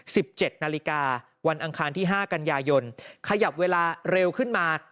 สิบเจ็ดนาฬิกาวันอังคารที่ห้ากันยายนขยับเวลาเร็วขึ้นมา